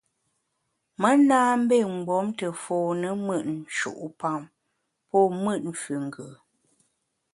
Me na mbé mgbom te fone mùt nshu’pam pô mùt füngù.